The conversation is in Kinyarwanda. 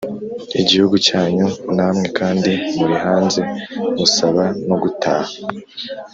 igihugu cyanyu namwe kandi muri hanze musaba no gutaha,